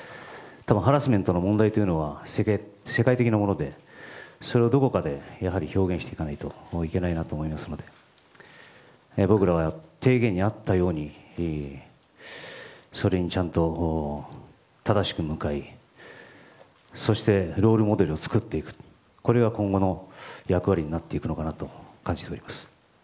ハラスメントの問題というのは世界的なものでそれをどこかでやはり表現していかないといけないと思いますので僕らは提言にあったようにそれにちゃんと正しく向かい、そしてロールモデルを作っていくとこれは今後の役割になっていくのかなと感じております。